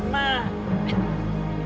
ma jangan lupa